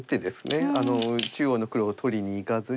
中央の黒を取りにいかずに。